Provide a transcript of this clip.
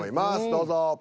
どうぞ。